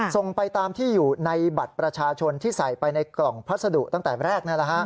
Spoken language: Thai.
ส่งไปตามที่อยู่ในบัตรประชาชนที่ใส่ไปในกล่องพัสดุตั้งแต่แรก